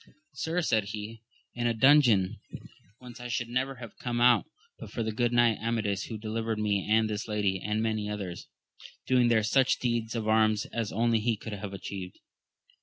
Sir, said he, in a dungeon whence I should never have come out but for the good knight Amadis, who delivered me and this lady, and many others, doing there such deeds of arms as only he could have atchieved.